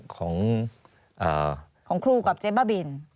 ของครูกับเจ๊บ้าบิน